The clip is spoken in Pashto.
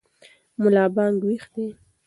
ملا بانګ ویښ دی.